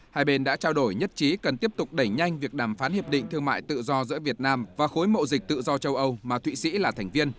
hai bên đã trao đổi nhất trí cần tiếp tục đẩy nhanh việc đàm phán hiệp định thương mại tự do giữa việt nam và khối mộ dịch tự do châu âu mà thụy sĩ là thành viên